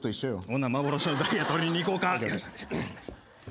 ほな幻のダイヤ取りに行こうか。